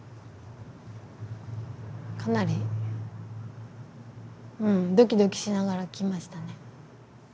かなりドキドキしながら来ましたね。